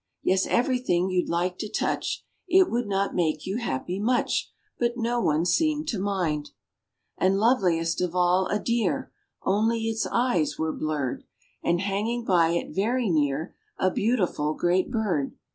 Yes, everything you'd like to touch. It would not make you happy much, But no one seemed to mind. And loveliest of all, a Deer! Only its eyes were blurred; And hanging by it, very near, A beautiful great Bird.